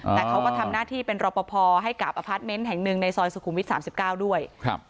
แต่เขาก็ทำหน้าที่เป็นรอปภให้กับอพาร์ทเมนต์แห่งหนึ่งในซอยสุขุมวิท๓๙ด้วย